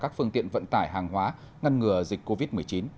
các phương tiện vận tải hàng hóa ngăn ngừa dịch covid một mươi chín